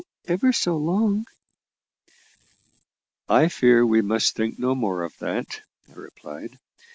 ever so long." "I fear we must think no more of that," I replied.